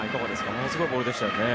ものすごいボールでしたね。